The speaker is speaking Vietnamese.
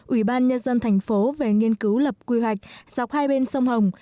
ủy ban nhân dân thành phố về nghiên cứu lập quy hoạch dọc hai bên sông hồng